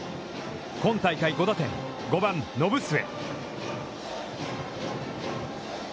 今大会５打点、５番延末。